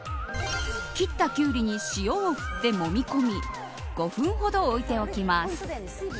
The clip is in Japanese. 切ったキュウリに塩を振ってもみ込み５分ほど置いておきます。